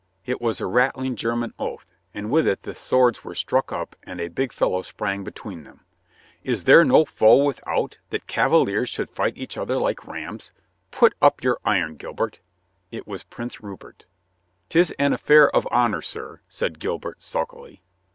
It was a rattling German oath, and with it the swords were struck up and a big fellow sprang between them. "Is there no foe without, that cavaliers should fight each other like rams? Put up your iron, Gilbert." It was Prince Rupert " 'Tis an affair of honor, sir," said Gilbert sulkily.